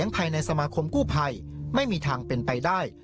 ภายในสมาคมกู้ภัยไม่มีทางเป็นไปได้